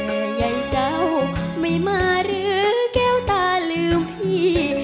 ใหญ่เจ้าไม่มาหรือแก้วตาลืมพี่